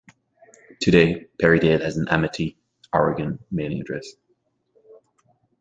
Today, Perrydale has an Amity, Oregon mailing address.